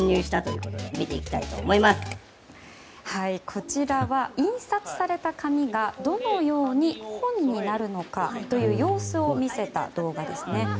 こちらは印刷された紙がどのように本になるのかという様子を見せた動画ですね。